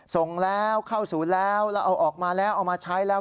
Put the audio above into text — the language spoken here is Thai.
ส่งแล้วเข้าศูนย์แล้วแล้วเอาออกมาแล้วเอามาใช้แล้ว